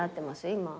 今。